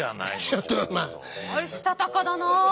したたかだな。